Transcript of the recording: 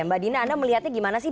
mbak dina anda melihatnya gimana sih